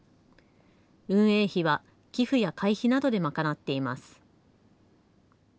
運営費は寄付や会費などで賄っています。